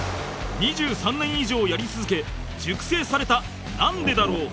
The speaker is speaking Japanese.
２３年以上やり続け熟成された『なんでだろう』